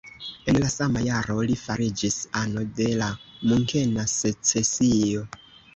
En la sama jaro li fariĝis ano de la Munkena Secesio.